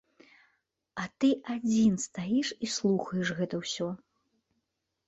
А ты адзін стаіш і слухаеш гэта ўсё.